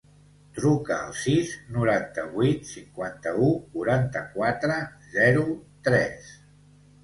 Truca al sis, noranta-vuit, cinquanta-u, quaranta-quatre, zero, tres.